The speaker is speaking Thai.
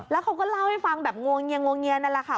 แล้วเขาก็เล่าให้ฟังแบบงวงเงียงวงเงียนนั่นแหละค่ะ